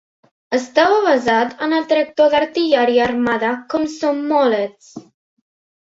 Estava basat en el tractor d'artilleria armada Komsomolets.